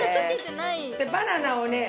でバナナをね